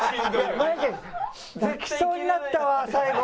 泣きそうになったわ最後。